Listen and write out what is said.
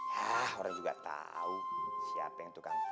hah orang juga tahu siapa yang tukang